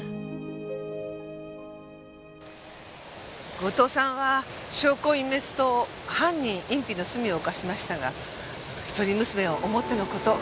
後藤さんは証拠隠滅と犯人隠避の罪を犯しましたが一人娘を思っての事。